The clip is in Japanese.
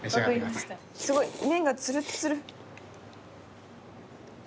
すごい麺がつるっつる。